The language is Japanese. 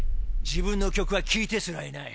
自分の曲は聴いてすらいない。